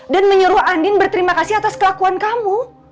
dan menyuruh andin berterima kasih atas kelakuan kamu